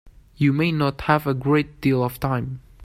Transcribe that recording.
You may not have a great deal of time.